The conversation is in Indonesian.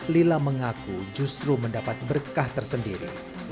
lila mengaku justru mendapat berkah tersendiri